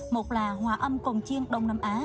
một là hòa âm cồng chiên đông nam á